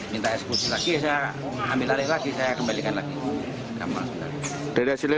minta eksekusi lagi saya ambil alih lagi saya kembalikan lagi